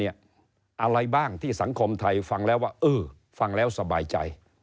อะไรบ้างที่สังคมไทยฟังแล้วว่าเออฟังแล้วสบายใจ